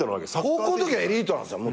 高校のときはエリートなんですよ。